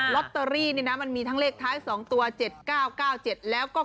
ลอตเตอรี่นี่นะมันมีทั้งเลขท้าย๒ตัว๗๙๙๗แล้วก็๙